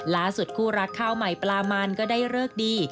คู่รักข้าวใหม่ปลามันก็ได้เลิกดี